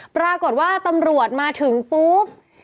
ปรากฏว่าตำรวจมาถึงปุ๊บ